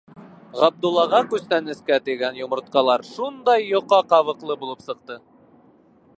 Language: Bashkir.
Ғабдуллаға күстәнәскә тигән йомортҡалар шундай йоҡа ҡабыҡлы булып сыҡты.